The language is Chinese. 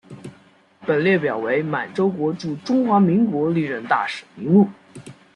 本列表为满洲国驻中华民国历任大使名录。